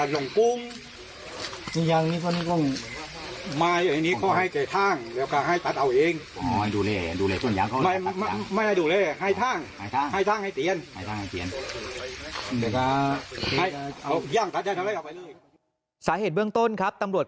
ต้องดูเลยให้ทางให้ทางให้เปลี่ยนสาเหตุเบื้องต้นครับตำรวจ